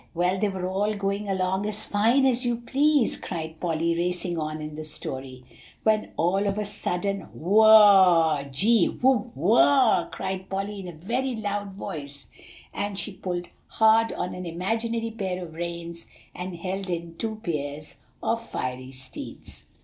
Well, they were all going along as fine as you please," cried Polly, racing on in the story, "when all of a sudden, Whoa! Gee whoop whoa a!" called Polly in a very loud voice; and she pulled hard on an imaginary pair of reins, and held in two pairs of fiery steeds.